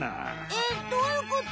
えっどういうこと？